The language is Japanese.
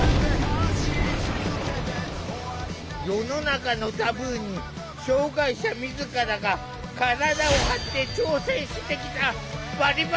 世の中のタブーに障害者自らが体を張って挑戦してきた「バリバラ」！